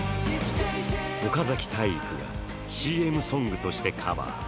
岡崎体育がＣＭソングとしてカバー。